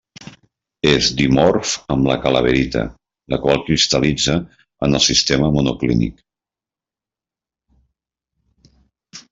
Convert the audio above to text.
És dimorf amb la calaverita, la qual cristal·litza en el sistema monoclínic.